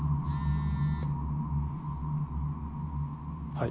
はい。